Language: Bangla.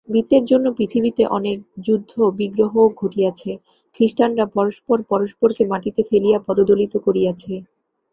বিত্তের জন্য পৃথিবীতে অনেক যুদ্ধ-বিগ্রহ ঘটিয়াছে, খ্রীষ্টানরা পরস্পর পরস্পরকে মাটিতে ফেলিয়া পদদলিত করিয়াছে।